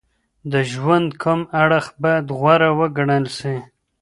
د ژوند کوم اړخ باید غوره وګڼل سي؟